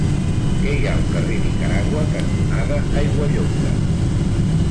Què hi ha al carrer Nicaragua cantonada Aiguallonga?